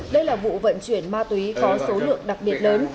đây là vụ vận chuyển ma túy có số lượng đặc biệt lớn